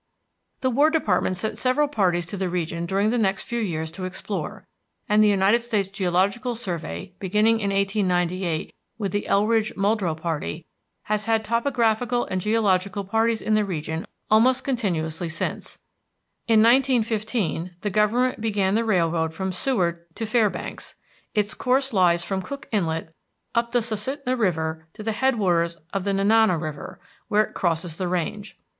The War Department sent several parties to the region during the next few years to explore, and the United States Geological Survey, beginning in 1898 with the Eldridge Muldrow party, has had topographical and geological parties in the region almost continuously since. In 1915 the Government began the railroad from Seward to Fairbanks. Its course lies from Cook Inlet up the Susitna River to the headwaters of the Nenana River, where it crosses the range.